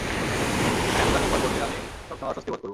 সেখানে এত দামি উপহার পরলে, আমি সবসময় অস্বস্তি বোধ করবো।